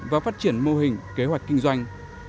và phát triển mô hình kế hoạch kinh doanh